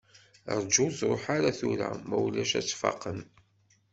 Rju, ur ttruḥ ara tura, ma ulac ad k-faqen.